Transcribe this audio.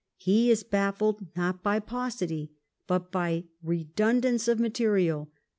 He js bafHed not by paucity, but by redundance of material.